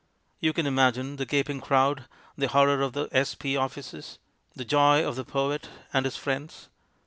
You can imagine the gaping crowd, the horror of the s.p. offices, the joy of the poet and his friends.